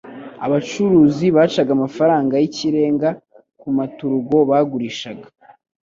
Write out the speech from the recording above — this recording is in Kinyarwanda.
Abacuruzi bacaga amafaranga y'ikirenga ku maturugo bagurishaga,